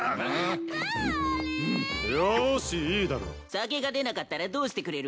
酒が出なかったらどうしてくれる。